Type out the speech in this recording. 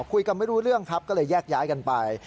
คุยกันไม่รู้เรื่องครับก็เลยแยกย้ายกันไป